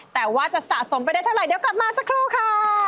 แต่ว่าจะสะสมไปได้เท่าไหร่เดี๋ยวกลับมาสักครู่ค่ะ